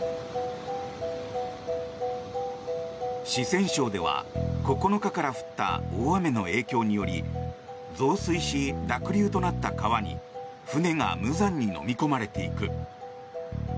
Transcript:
四川省では９日から降った大雨の影響により増水し濁流となった川に船が無残にのみ込まれていく。